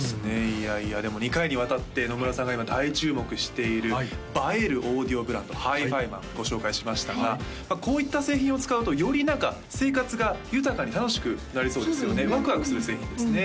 いやいやでも２回にわたって野村さんが今大注目している映えるオーディオブランドＨＩＦＩＭＡＮご紹介しましたがこういった製品を使うとより何か生活が豊かに楽しくなりそうですよねワクワクする製品ですね